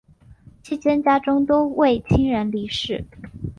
期间家中多位亲人离世。